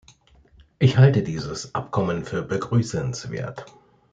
Ich halte dieses Abkommen für begrüßenswert.